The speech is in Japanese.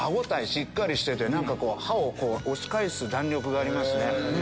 しっかりしてて歯を押し返す弾力がありますね。